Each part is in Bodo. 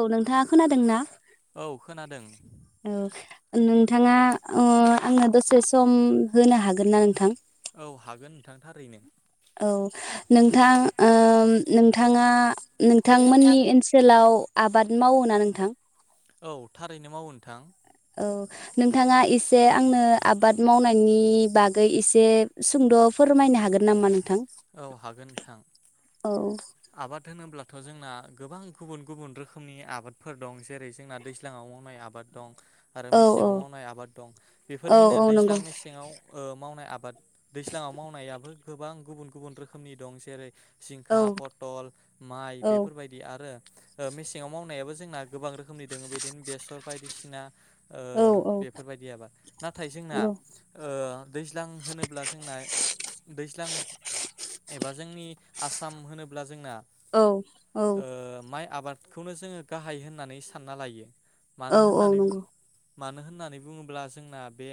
औ नोंथाङा खोनादोंना औ खोनादों औ नोंथाङा ओं आंनो दसे सम होनो हागोन ना नोंथां औ हागोन नोंथां थारैनो औ नोंथां ओ नोंथाङा नोंथां नोंथांमोननि ओनसोलाव आबाद मावोना नोंथां? औ थारैनो मावो नोंथां औ नोंथाङा एसे आंनो आबाद मावनायनि बागै एसे सुंद' फोरमायनो हागोन नामा नों? औ हागोन नोंथां। औ आबाद होनोब्लाथ' जोंना गोबां गुबुन गुबुन रोखोमनि आबादफोर दं जेरै जोंना दैज्लाङाव मावनाय आबाद दं। आरो औ औ मेसेङाव मावनाय आबाद दं औ बेफोरनिनो औ नंगौ दैज्लां मेसेङाव ओ मावनाय आबाद। बाट दैज्लाङाव मावनायाबो गोबां गुबुन गुबुन रोखोमनि दं जेरै सिखा औ पट पटल माइ औ बेफोरबायदि आरो मेसेङाव मावनायाबो जे जोंना गोबां रोखोमनि दोङो बिदिनो बेसर बायदिसिना। ओ औ बेफोरबायदि आबाद नाथाय जोंना ओ दैज्लां होनोब्ला जोंना दैज्लां एबा जोंनि आसाम होनोब औ औ। माइ आबादखौनो जोङो गाहाय होननानै सानना लायो। औ मानो औ होननानै बुं नंगौ मानो होननानै बुङोब्ला जोंना बे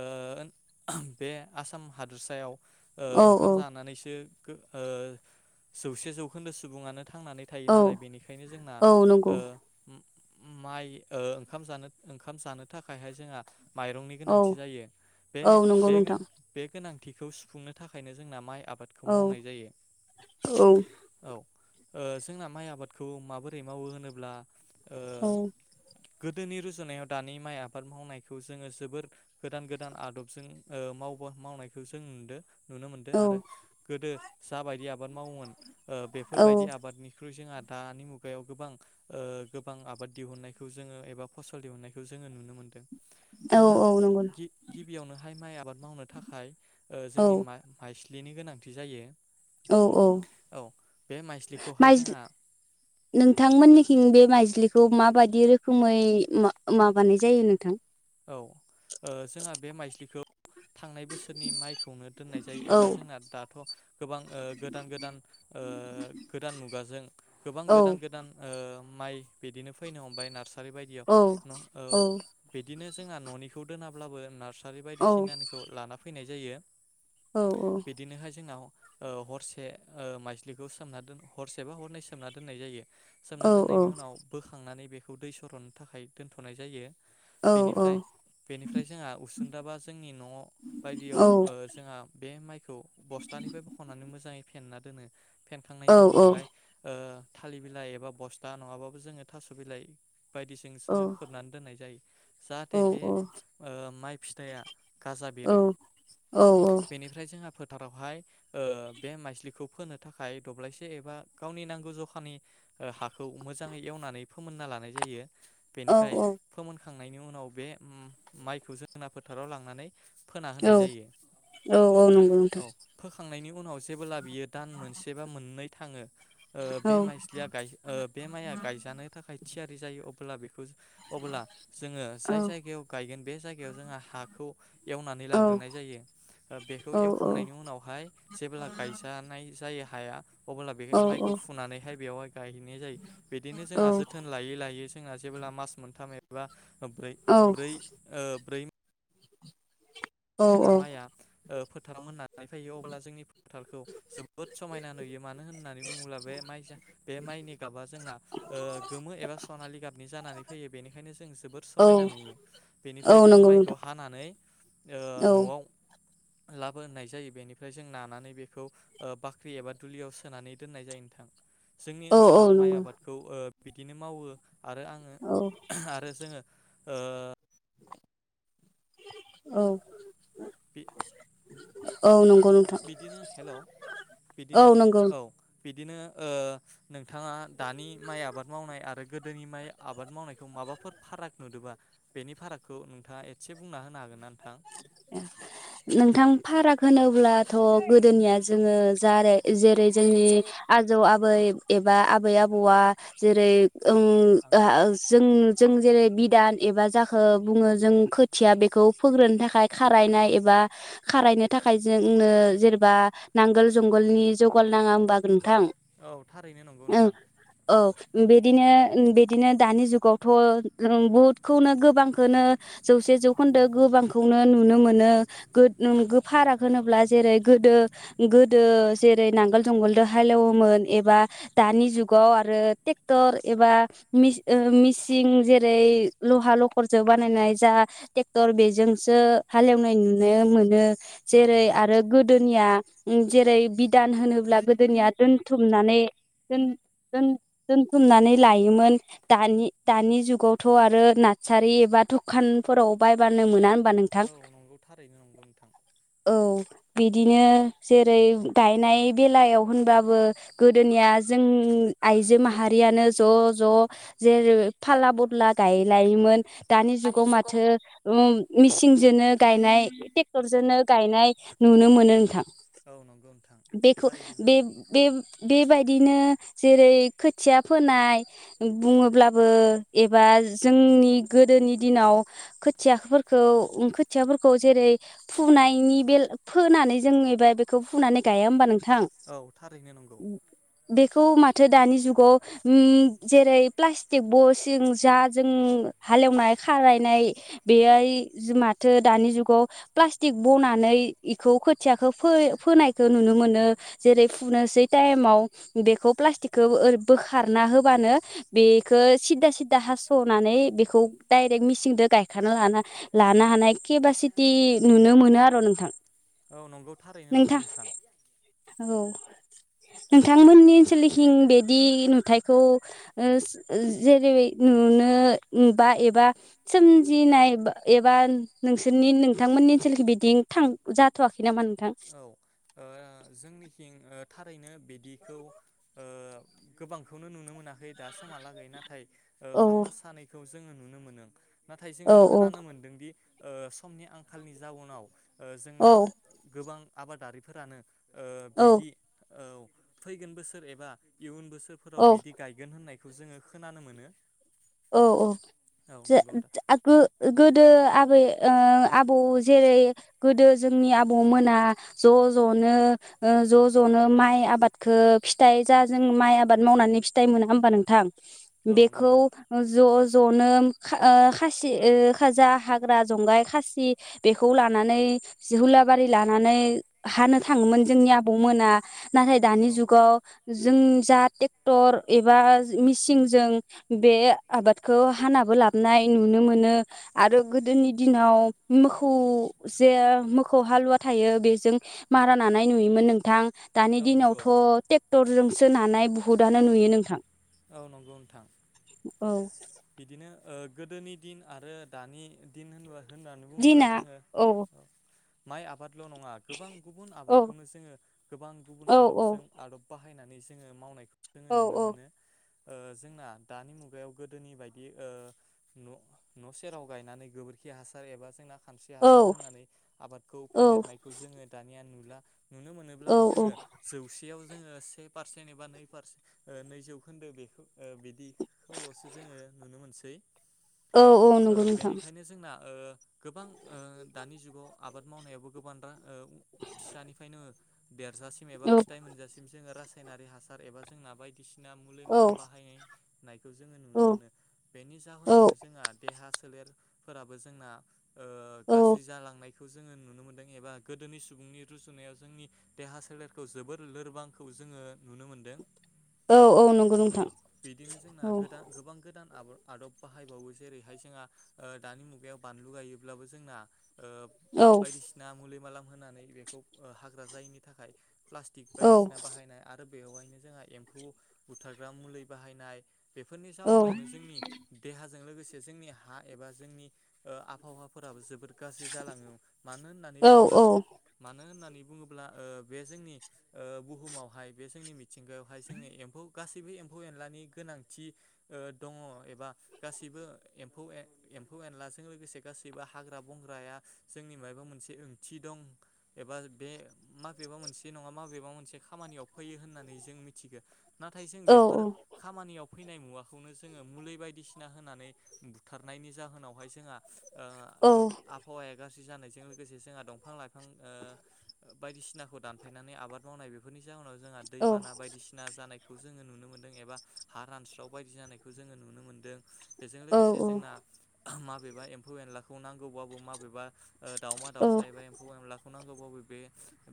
ओ ओन बे आसाम हादोरसायाव ओ औ ओंखाम औ जानानैसो। गो ओ जौसे जौखोन्दो सुबुङानो। थांनानै थायो नालाय औ बेनिखायनो जोंना औ नंगौ ओ उम माइ ओंखाम जानो ओंखाम जानो थाखायहाय जोंहा। माइरंनि औ गोनांथि जायो बे औ नंगौ नोंथां बेगोन बे गोनां। बिखौ सुफुंनो थाखायनो जोंना माइ आबादखौ औ मावनाय जायो। औ। ओ जोंना माइ आबादखौ माबोरै मावो होनोब्ला ओ औ। गोदोनि रुजुनायाव दानि माइ आबाद मावनायखौ जोङो जोबोद गोदान गोदान आदबजों ओ मावनायखौ जों नुदों। नुनो मोनदों औ आरो गोदो। जा बायदि आबाद मावोमोन। ओ औ बेफोरबायदि आबादनिख्रुइ जोंहाथ' दानि मुगायाव गोबां ओ गोबां आबाद दिहुननायखौ जोङो एबा फसल दिहुननायखौ जोङो नुनो मोनदों। जोंहा औ नंगौ गिबियावनोहाय माइ आबाद मावनो थाखाय ओ जोंनि औ माइ माइसालि। लिनि गोनांथि जायो। औ औ औ बे माइस्लिखौहाय जोंहा माइजलि नोंथांमोननिखिं बे माइज्लिखौ। खौ माबायदि रोखोमै माबानाय जायो नोंथां? औ जोंहा बे माइज्लिखौ थांनाय बोसोरनि माइखौनो दोननाय जायो औ एबा जोंना दाथ' गोबां गोदान गोदान गोदान मुगाजों गोबां औ गोदान गोदान ओ माइ बिदिनो फैनो हमबाय नार्सा बेबायदियाव औ न'औ औ बिदिनो जोंहा न'निखौ दोनाब्लाबो नारस सारि औ बायदिसिनानिखौ लाना फैनाय जायो। औ बिदिनोहाय जोंनाव हरसे माइजलिखौ सोमना दोन हरसे बा हरनै सोमना दोननाय जायो। सोमना औ दोननायनि उनाव बोखांनानै बे खौ दै सर'नो थाखाय दोनथ'नाय जायो। औ बेनिफ्राय बेनिफ्राय जोंहा उसुन्दाबा जोंनि न' बायदियाव जोंहा बे माइखौ बस्थानिफ्राय बख'नानै मोजाङै फे नना दोनो। फेनखांनायनि उनावहाय थालिर बिलाइ एबा बस्था नङाबाबो जोङो थास' बिलाइ बायदिजों सोङो खोबनानै दोननाय जायो। जाहाथे बे माइ फिथाया गाजा बेरो बेनिफ्राय जोंहा फोथारावहाय बे माइस्लिखौ फोनो थाखाय दब्लायसे एबा गावनि नांगौ जखानि हाखौ मोजाङै एवनानै फोमोनना लानाय जायो। बेनिफ्राय फोमोन खांनायनि उनाव बे माइखौ जोंना फोथाराव लांनानै फोना होनाय जायो औ-औ-औ नंगौ नोंथां। औ फोखांनायनि उनाव जेबोला बियो दान मोनसे बा मोननै थाङो बे औ माइस्लिया बे माइया गायजानो थाखाय थियारि जायो अब्ला बेखौ अब्ला जोङो औ जाय जायगायाव गायगोन बे जायगायाव जोंहा हा खौ एवनानै औ लाग्रोनाय जायो बेखौ औ औ एवखांनायनि उनावहाय जेब्ला गायजानाय जायो। हाया। अब्ला बे औ माइखौ फुनानैहाय बेवहाय गायनाय जायो। बिदिनो जोंहा जोथोन लायै लायै जोंहा जेब्ला मास मोनथाम ए बा ब्रै ब्रै ओ ब्रै औ औ माया ओ फोथाराव मोनना नै फैयो अब्ला जोंनि फोथारखौ जोबोद समायना नुयो। मानो होननानै बुङोब्ला बे माइजा बे माइनि गाबा जोंना ओ गोमो एबा सनालि गाबनि जानानै फैयो। बेनिखायनो जों जोबोद औ समायना नुयो। बेनिफ्राय औ जोङो नंगौ माइखौ हानानै ओ नोंथां औ न'आव लाबोनाय जायो बेनिफ्राय जों नानानै बेखौ ओ बाख्रि एबा दुलियाव सोनानै दोननाय जायो नोंथां। जोंनि औ औ ओनसोलाव माइ नंगौ आबादखौ ओ बिदिनो मावो आरो आङो औ आरो जोङो ओ औ। बे औ नं बिदिनो हेल' औ बिदिनो नंगौ औ। बिदिनो ओ नोंथाङा दानि माइ आबाद मावनाय आरो गोदोनि माइ आबाद मावनायखौ माबाफोर फाराग नुदोंबा बेनि फारागखौ नोंथाङा एसे बुंना होनो हागोन ना नोंथां? नोंथां फाराग होनोब्लाथ' गोदोनिया जोङो जारै जेरै जोंनि आजौ आ बै एबा आबै आबौआ जेरै ओं आ आंनि जों जों जेरै बिदान एबा जाखो बुङो जों खोथिया बेखौ फोग्रोनो थाखाय खारायनाय एबा खारायनो थाखाय जोंनो जेनेबा नांगोल जुंगोलनि जौगाल नाङा होमबा नोंथां? औ थारैनो नंगौ ओं नोंथां औ। बिदिनो ओ बिदिनो दानि जुगावथ' ओ बुहुदखौनो गोबांखौनो जौसे जौखोन्दो गोबांखौ नो नुनो मोनो गो फाराग होनोब्ला जेरै गो गोदो जेरै नांगोल जुंगालजों हालेवोमोन एबा दानि जुगाव आरो ट्रेक्टर एबा मि ओ मिसिं जेरै लहा लखरजों बानायनाय जा ट्रेक्टर बेजों सो हालेवनाय नुनो मोनो औ जेरै नंगौ आरो गोदोनिया उम जेरै बिदान होनोब्ला गोदोनिया दोनथुमनानै दोन-दोन-दोनथुमनानै लायोमोन दानि-दानि जुगावथ' आरो नार्सारि एबा दुखानफोराव बायबानो मोना होमबा नोंथां? औ नंगौ थारैनो नंगौ नोंथां। औ। बिदिनो जेरै गायनाय बेलायाव होनबाबो गोदोनिया जों आइजो माहारियानो ज' ज' जेरै फाला बदला गायलायोमोन दानि जुगाव माथो उम मेचिनजोंनो गायनाय ट्रेक्टरजोंनो गायनाय नुनो मोनो नोंथां। औ नंगौ नोंथां बेखौ थारैनो नंगौ बे-बे-बेबायदिनो जेरै खोथिया फोनाय बुङोब्लाबो एबा जोंनि गोदोनि दिनाव खोथियाफोर खौ खोथियाफोरखौ जेरै फुनायनि बे फोनानै जों एबा बेखौ फुनानै गाया होमबा नों औ थारैनो नंगौ। खौ माथो दानि जुगाव हम जेरै प्लास्टिक बसिं जाजों हालेवनाय खारायनाय बेहाय माथो दानि जुगाव प्लास्तिक बनानै इखौ खोथियाखौ फो-फोनायखौ नुनो मोनो जेरै फुनोसै टाइमाव बेखौ प्लास्तिक बोखारना होबानो बेखौ सिददा सिददा हास'नानै बेखौ डायरेक्ट मिचिनजों गायखना लाना लानो हानाय केपासि थि नुनो मोनो आर' नोंथां औ नंगौ थारैनो नंगौ नोंथां औ नोंथांमोननि ओनसोलखिं बिदि नुथायखौ ओ जेरै नुनो बा एबा सोमजिनाय एबा नोंसोरनि नोंथांमोननि ओनसोलखौ बिदि थां जाथ'वाखै नाम? औ ओ जोंनिथि ओ थारैनो बिदिखौ ओ गोबांखौनो नुनो मोनाखै दा समहालागै नाथाय ओ औ खाफा सानैखौ जोङो नुनो मोनो। नाथाय जोङो औ औ खोनानो मोन्दोंदि ओ समनि आंखालनि जाउनाव जोंना औ गोबां आबादारिफोरानो ओ बिदि औ फैगोन बोसोर एबा इयुन बो बोसोरफोराव औ बिदि गायगोन होननाय बेखौ जोङो खोनानो मोनो औ औ औ नंगौ नोंथां [unintelligible] आबै ओ आबौ जेरै गोदो जोंनि आबौ मोना ज' ज'नो ओ ज' ज'नो माइ आबादखौ फिथाइ जा जों माइ आबाद मावनानै फिथाइ मोनो होमबा नोंथां? औ बेखौ नंगौ जनो ओ खासि जा हाग्रा जंगाय खासि बेखौ लानानै जि हुलाबारि लानानै हानो थाङोमोन जोंनि आबौ मोना नाथाय दानि औ जुगाव जों जा टेक्टर एबा मेचिनजों बे आबादखौ हानाबो लाबोनाय नुनो मोनो आरो गोदोनि दिनाव मोखौ जे मोखौ हालुवा थायो बेजों मारा नानाय नुयोमोन नोंथां। दानि औ नंगौ दिनावथ ट्रेक्टरजों। सो नानाय बुहुदानो नुयो नोंथां। औ नंगौ नोंथां औ ओ-गोदोनि दिन आरो दानि दिन होनब होननानै बुङोब्ला दिना जोङो। औ माइ आबाद ल नङा गोबां गुबुन औ आबादखौनो जोङो गोबां गुबुन औ औ आदबजों आदब बाह बाहायनानै जोङो मावनायखौ। औ औ ओ-जोंना दानि मुगायाव गोदोनि बायदि ओ- न न सेराव गायनानै गोबोरखि हासार एबा जोंना। खानस्रि हासार होनानै आबादखौ फेदेरनायखौ जोङो दानिया नुला। नुनो औ मोनोब्लाबो जोङो जौसेयाव। जोङो से पारसेन एबा नै पारसेन ओ- नैजौ खोन्दो बेखौ बिदिखौलसो जोङो नुनो मोनसै। औ औ नंगौ नोंथां ओ-बेनिखायनो जोंना-ओ गोबां ओ-दानि जुगाव आबाद मावनायाबो गोबां रा। ओ-फिसानिफ्रायनो देरजासिम एबा औ फिथय मोनजासिम जोङो रास रासायनारि हासार एबा जोंना बायदिसिना। औ [unintelligible] बाहाय-नायखौ जोङो औ नुनो मोन बेनि जाहोनावनो जोंहा दहा। सोलेर फोराबो जोंना औ ओ-गाज्रि जालांनाय खौ जोङो नुनो मोन्दों एबा गोदोनि सुबुंनि रुजुनायाव जोंनि देहा सोलेरखौ जोबोर लोरबांखौ जोङो नुनो मोनदों। औ औ नंगौ औ नोंथां बिदिनो जोंना औ गोदा-गोदान गोबां गोदान आबार। आदब बाहायबावो जेरैहाय जोंहा दानि मुगायाव बानलु गायोब्लाबो जोंना। औ ओ-बायदिसिना मुलि माला। होनानै बेखौ हाग्रा जायिनि थाखाय। प्लास्टिक औ बायदिसिना बाहायनाय आरो बेवहायनो जोंहा एम्फौ। बुथारग्रा मुलि बाहायनाय। बेफोरनि औ औ जाउनावनो जोंनि देहा। जों लोगोसे जोंनि हा एबा जोंनि ओ आबहावाफोराबो जोबोद गाज्रि जालाङो मानो होननानै औ बुङोब्ला औ मानो मानो होननानै बुङोब्ला ओ बे जोंनि ओ बुहुमावहाय बे जोंनि मि थिंगायावहाय जोंनि एम्फौ गासैबो एम्फौ एनलानि गोनांथि ओ दङ एबा गासैबो एम्फौ ए एम्फौ एनलाजों लोगोसे गासैबो हाग्रा बंग्राया जोंनि माबबा मोनसे ओंथि दं एबा बे माबेबा मोनसे नङा माबेबा मोनसे खामानियाव सफैयो होननानै जों मिथिगोन। नाथाय जों बेफोर औ खामानियाव फैनाय मुवाखौनो जोङो मुलि बायदिसिना होनानै बुथारनायनि जाहोनावहाय जोंहा ओ दा औ आबहावाया गास जानायजों लोगोसे जोंहा दंफां लाइ बायदिसिनाखौ दानफायनानै आबाद मावनाय बेफोरनि जाहोनाव जोंहा दैबाना बायदिसिना जानाय खौ जोङो नुनो मोन्दों एबा हा रानस्राव बायदि जानायखौ जोङो नुनो मोनदों। बेजों लोगोसे जोंना माबेबा एम्फौ एनलाखौ नांगौबाबो माबेबा ओ दावमा दाउसा एबा एम्फौ एनलाखौ नांगौ [unintelligible] बे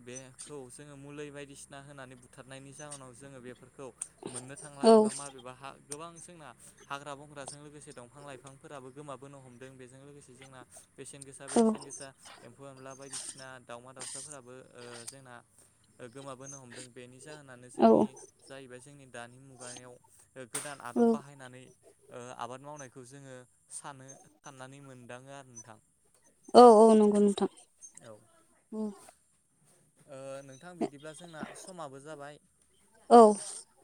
बेखौ जोङो मुलै बायदिसिना होनानै बुथारनायनि जाहोनाव जोङो बेफोर खौ मोननो थांला औ एबा नंगौ नोंथां माबेबा हा गोबां जोंना हाग्रा बंग्राजों लोगोसे दंफां लाइफांफोराबो गोमाबोनो हमदों बेजों लोगोसे जोंना बेसेन गोसा बेसेन औ गोसा एम्फौ एनला बायदिसि जोंना दाउमा दाउसाफोराबो ओ जोंना ओ गोमाबोनो हमदों बेनि जाहोनानो जोंनि बे जोंनि दानि मुगायाव ओ गोदान आदब औ बाहायनानै ओ आबाद मावनायखौ जोङो सानो साननानै मोनदाङो आरो नोंथां। औ औ नंगौ नोंथां ओम। ओ नोंथां बिदिब्ला जोंना समाबो जाबाय।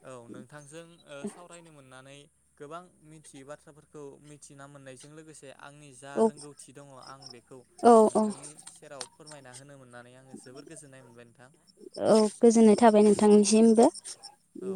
औ नोंथांजों ओ सावरायनो मोननानै गोबां मिथियै बाथ्राफोरखौ मिथिना मोननायजों लोगोसे आंनि जा औ रोंगौथि दङ आं बेखौ औ औ नोंथांनि सेराव फोरमाय दा होनामोन औ गोजोननाय थाबाय नोंथांनिसिम [unintelligible] बि औ